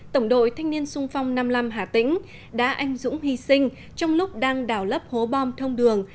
tổng đội thanh niên sung phong năm mươi năm hà tĩnh đã anh dũng hy sinh trong lúc đang đào lấp hố bom thông đường